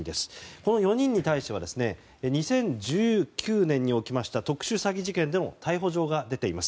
この４人に対しては２０１９年に起きました特殊詐欺事件でも逮捕状が出ています。